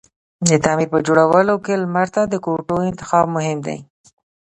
د تعمير په جوړولو کی لمر ته کوتو انتخاب مهم دی